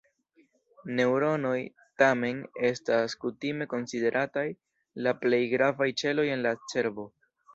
Neŭronoj, tamen, estas kutime konsiderataj la plej gravaj ĉeloj en la cerbo.